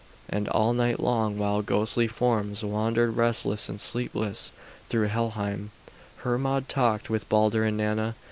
And all night long, while ghostly forms wandered restless and sleepless through Helheim, Hermod talked with Balder and Nanna.